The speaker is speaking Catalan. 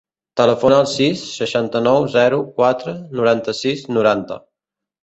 Telefona al sis, seixanta-nou, zero, quatre, noranta-sis, noranta.